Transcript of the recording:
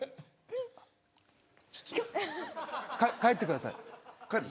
帰ってください。